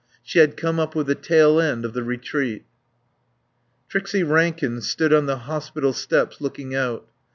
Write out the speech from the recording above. She had come up with the tail end of the retreat. Trixie Rankin stood on the hospital steps looking out.